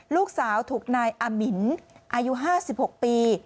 ลูกสาวถูกนายอามินอายุ๕๖ปี